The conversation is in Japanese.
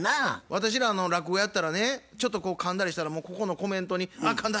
私ら落語やったらねちょっとかんだりしたらもうここのコメントに「あっかんだ」